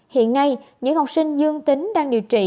hiện nay những học sinh dương tính đang điều trị